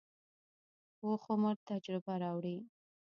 پوخ عمر تجربه راوړي